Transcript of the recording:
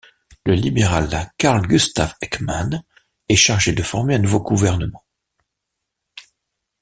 Le libéral Carl Gustaf Ekman est chargé de former un nouveau gouvernement.